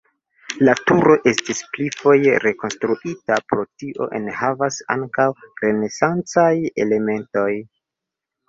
La turo estis pli foje rekonstruita, pro tio enhavas ankaŭ renesancaj elementoj.